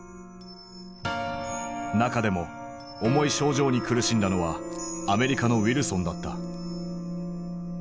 中でも重い症状に苦しんだのはアメリカのウィルソンだった。